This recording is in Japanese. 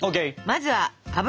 まずは油。